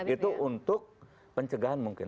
itu untuk pencegahan mungkin